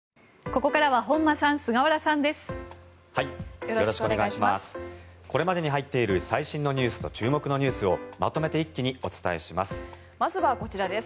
これまでに入っている最新ニュースと注目ニュースをまとめて一気にお伝えします。